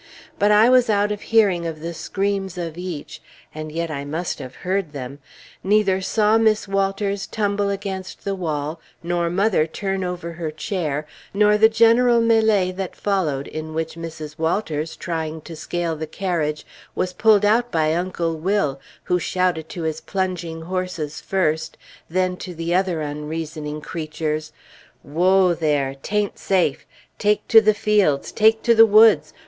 But I was out of hearing of the screams of each (and yet I must have heard them); neither saw Miss Walters tumble against the wall, nor mother turn over her chair, nor the general mêlée that followed, in which Mrs. Walters, trying to scale the carriage, was pulled out by Uncle Will, who shouted to his plunging horses first, then to the other unreasoning creatures, "Woa, there! 'Tain't safe! Take to the fields! Take to the woods!